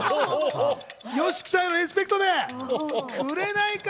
ＹＯＳＨＩＫＩさんへのリスペクトで、紅か。